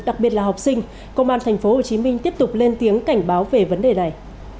đặc biệt là học sinh công an tp hcm tiếp tục lên tiếng cảnh báo về vấn đề này